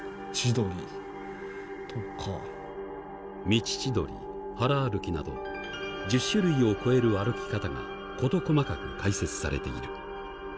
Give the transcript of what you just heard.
「路千鳥」「腹歩」など１０種類を超える歩き方が事細かく解説されている。